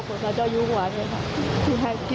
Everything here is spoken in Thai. ผมยังอยากรู้ว่าว่ามันไล่ยิงคนทำไมวะ